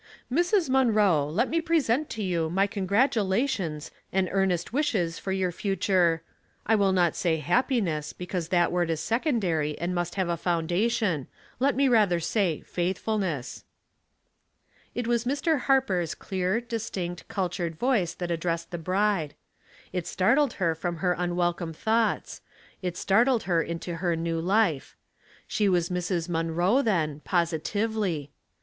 " Mrs. Munroe, let me present to you my con gratulations and earnest wishes for your future — I will not say happiness, because that word is secondary and must have a foundation, let me rather say faithfulness." It was Mr. Harper's clear, distinct, cultured 12 178 Household Puzzles, voice that addressed the bride. It startled her from her unwelcome thoughts ; it startled her into her new life. She was Mrs. Munroe, then, 'positively.